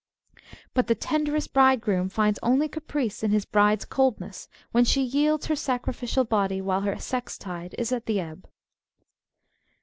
But the tenderest bridegroom finds only caprice in his bride's coldness when she yields her sacrificial body while her sex tide is at the ebb.